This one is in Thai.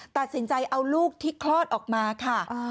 ตัดสินใจเอาลูกที่คลอดออกมาค่ะ